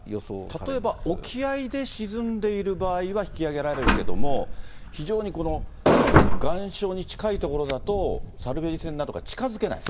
例えば、沖合で沈んでいる場合は引き揚げられるけども、非常に岩礁に近い所だと、サルベージ船などが近づけない？